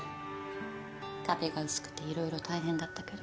壁が薄くていろいろ大変だったけど。